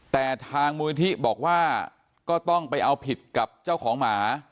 แต่ทางมูลนิธิบอกว่าก็ต้องไปเอาผิดกับเจ้าของหมา